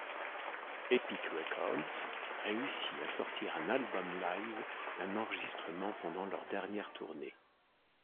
Epic Records réussit à sortir un album live d'un enregistrement pendant leur dernière tournée.